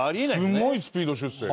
すごいスピード出世。